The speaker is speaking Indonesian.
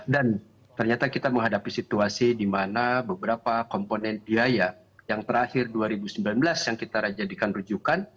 dan ternyata kita menghadapi situasi di mana beberapa komponen biaya yang terakhir dua ribu sembilan belas yang kita jadikan rujukan